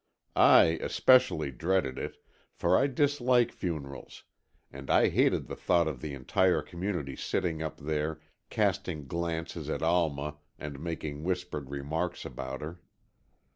I, especially, dreaded it, for I dislike funerals, and I hated the thought of the entire community sitting up there, casting glances at Alma and making whispered remarks about her.